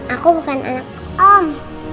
aku bukan anak om